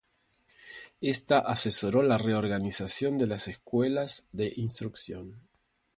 Esta asesoró la reorganización de las Escuelas de instrucción.